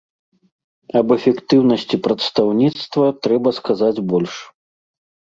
Аб эфектыўнасці прадстаўніцтва трэба сказаць больш.